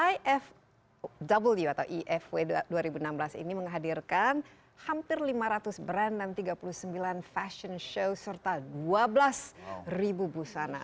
i f w atau i f w dua ribu enam belas ini menghadirkan hampir lima ratus brand dan tiga puluh sembilan fashion show serta dua belas ribu busana